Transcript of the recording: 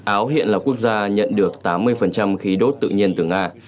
áo hiện là quốc gia nhận được tám mươi khí đốt tự nhiên từ nga